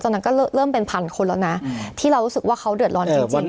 นั้นก็เริ่มเป็นพันคนแล้วนะที่เรารู้สึกว่าเขาเดือดร้อนจริง